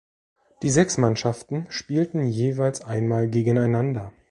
Die sechs Mannschaften spielten jeweils einmal gegeneinander.